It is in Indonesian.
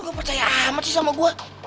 lo gak percaya amat sih sama gue